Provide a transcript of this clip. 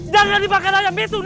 jangan dimakan ayam itu nak